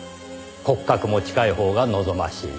骨格も近いほうが望ましい。